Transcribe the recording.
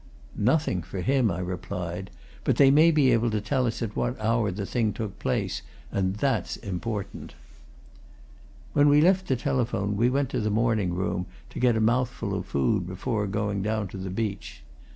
"Nothing for him," I replied. "But they may be able to tell us at what hour the thing took place. And that's important." When we left the telephone we went to the morning room, to get a mouthful of food before going down to the beach.